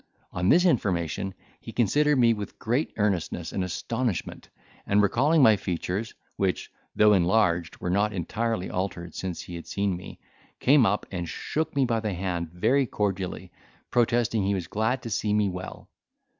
On this information, he considered me with great earnestness and astonishment, and, recalling my features, which, though enlarged, were not entirely altered since he had seen me, came up, and shook me by the hand very cordially, protesting he was glad to see me well.